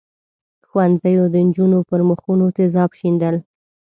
ښوونځیو د نجونو پر مخونو تېزاب شیندل.